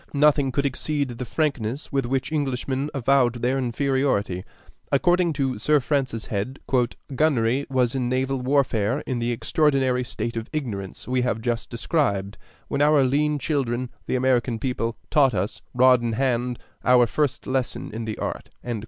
Nothing could exceed the frankness with which Englishmen avowed their inferiority. According to Sir Francis Head, "gunnery was in naval warfare in the extraordinary state of ignorance we have just described, when our lean children, the American people, taught us, rod in hand, our first lesson in the art."